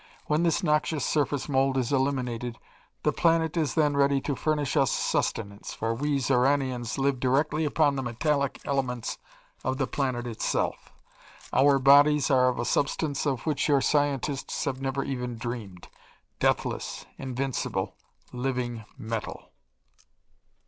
When this noxious surface mold is eliminated, the planet is then ready to furnish us sustenance, for we Xoranians live directly upon the metallic elements of the planet itself. Our bodies are of a substance of which your scientists have never even dreamed deathless, invincible, living metal!"